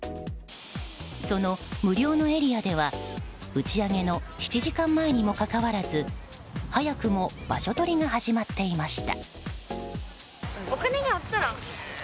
その無料のエリアでは打ち上げの７時間前にもかかわらず早くも場所取りが始まっていました。